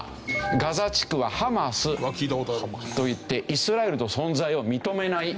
ガザ地区はハマスといってイスラエルの存在を認めない。